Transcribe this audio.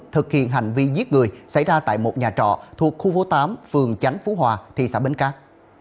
thực hiện hành vi giết người xảy ra tại một nhà trọ thuộc khu phố tám phường chánh phú hòa thị xã bến cát